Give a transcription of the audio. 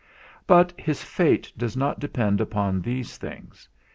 But his fate does not depend upon these things.